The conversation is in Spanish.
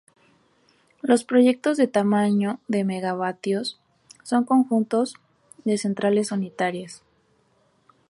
Los proyectos de tamaño de megavatios son conjuntos de centrales unitarias.